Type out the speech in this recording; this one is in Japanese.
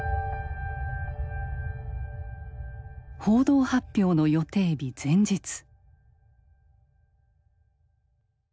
報道発表の予定日前日。